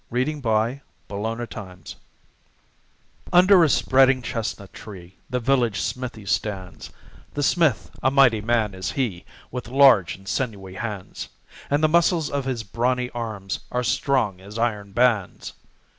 THE VILLAGE BLACKSMITH Under a spreading chestnut tree The village smithy stands; The smith, a mighty man is he, With large and sinewy hands; And the muscles of his brawny arms Are strong as iron bands.